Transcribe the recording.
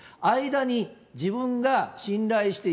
間に、自分が信頼して、